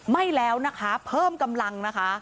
ไม่แล้วนะคะเพิ่มกำลังนะคะ